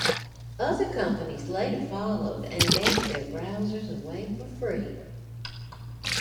Other companies later followed and gave their browsers away for free.